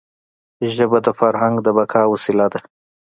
ژبه د فرهنګ د بقا وسیله ده.